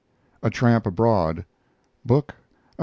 A TRAMP ABROAD book (Am.